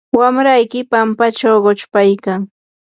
wamrayki pampachaw quchpaykan.